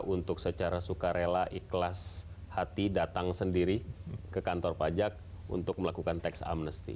untuk secara sukarela ikhlas hati datang sendiri ke kantor pajak untuk melakukan tax amnesty